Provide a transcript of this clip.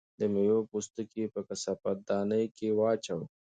د مېوو پوستکي په کثافاتدانۍ کې واچوئ.